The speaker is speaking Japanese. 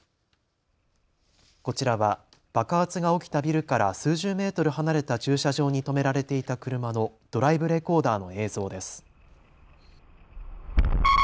こちらは爆発が起きたビルから数十メートル離れた駐車場に止められていた車のドライブレコーダーの映像です。